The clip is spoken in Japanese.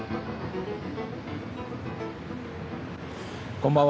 こんばんは。